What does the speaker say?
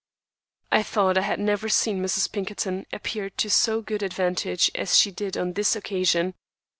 I thought I had never seen Mrs. Pinkerton appear to so good advantage as she did on this occasion.